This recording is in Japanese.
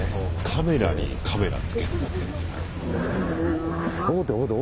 カメラにカメラ付けて撮ってんだ。